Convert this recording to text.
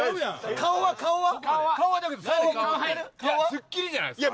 「スッキリ」じゃないですか？